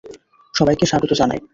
সবাইকে স্বাগত জানাই।